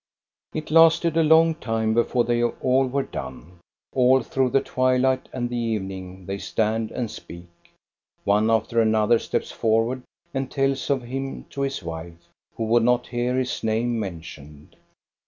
It lasted a long time before they all were done. All through the twilight and the evening they stand and speak ; one after another steps forward and tells of him to his wife, who would not hear his name mentioned.